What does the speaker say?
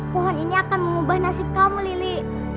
pohon ini akan mengubah nasib kamu lili